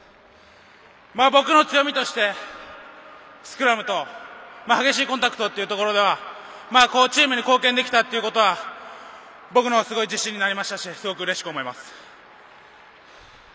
僕の強みとしてスクラムと激しいコンタクトということがチームに貢献できたということは僕のすごい自信になりましたしすごくうれしく思います。